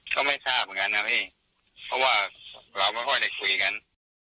ก็ไม่ทราบเหมือนกันนะพี่เพราะว่าเราไม่ค่อยได้คุยกัน